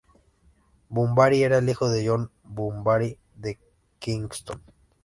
Burnaby era el hijo de John Burnaby de Kensington.